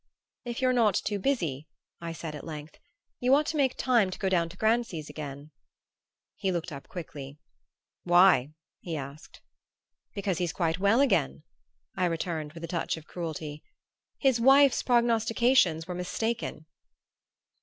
"If you're not too busy," I said at length, "you ought to make time to go down to Grancy's again." He looked up quickly. "Why?" he asked. "Because he's quite well again," I returned with a touch of cruelty. "His wife's prognostications were mistaken."